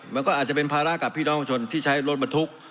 มันก็อาจจะเป็นภาระกับพี่น้องชนที่ใช้รถบรรทุก